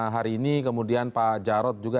hari ini kemudian pak jarod juga